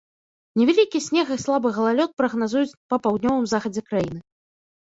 Невялікі снег і слабы галалёд прагназуюць па паўднёвым захадзе краіны.